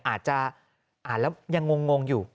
อาจจะอ่านแล้วยังงงอยู่